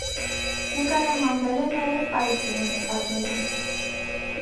Նկարահանվել է նաև այլ կինոնկարներում։